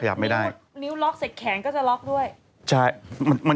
จากธนาคารกรุงเทพฯ